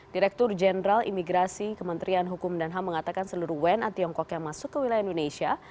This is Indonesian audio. direktur jenderal imigrasi kementerian hukum dan ham mengatakan seluruh wna tiongkok yang masuk ke wilayah indonesia